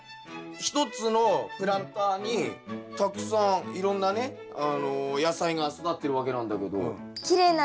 一つのプランターにたくさんいろんなね野菜が育ってるわけなんだけど。